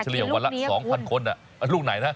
อยากกินลูกนี้ครับคุณลูกไหนนะ